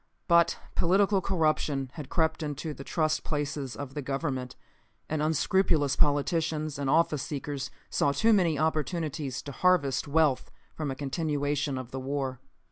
But political corruption had crept into the trust places of the government, and unscrupulous politicians and office seekers saw too many opportunities to harvest wealth from a continuation of the war.